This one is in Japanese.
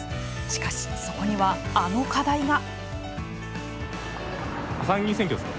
しかし、そこにはあの課題が。